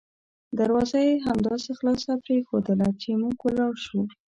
دروازه یې همداسې خلاصه پریښودله چې موږ ولاړ شوو.